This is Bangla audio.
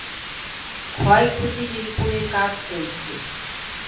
ক্ষয়ক্ষতি নিরূপণের কাজ চলছে।